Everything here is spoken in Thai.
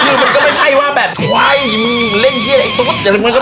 คือมันก็ไม่ใช่ว่าแบบเฮ้ยเล่นเชี่ยอะไรมันก็ไม่ใช่อย่างนั้น